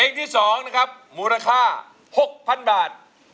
เพลงที่๒นะครับมูลค่า๖๐๐๐บาท